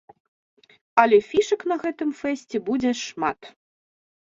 Але фішак на гэтым фэсце будзе шмат.